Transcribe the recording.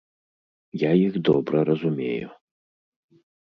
Я іх добра разумею.